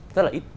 rất là ít